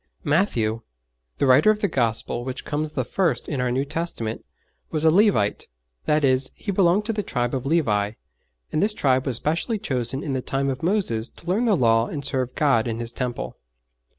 Matthew, the writer of the Gospel which comes the first in our New Testament, was a Levite; that is, he belonged to the tribe of Levi, and this tribe was specially chosen in the time of Moses to learn the Law and serve God in His Temple.